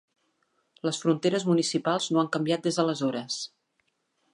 Les fronteres municipals no han canviat des d'aleshores.